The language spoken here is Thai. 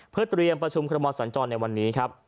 เพื่อเตรียมประชุมคอรมอสัญจรในวันนี้ครับ